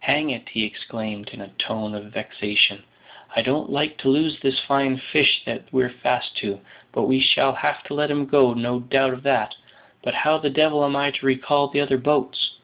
"Hang it!" he exclaimed, in a tone of vexation; "I don't like to lose this fine fish that we're fast to; but we shall have to let him go, no doubt of that; but how the devil am I to recall the other boats?"